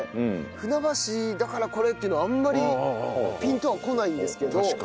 「船橋だからこれ」っていうのはあんまりピンとはこないんですけど。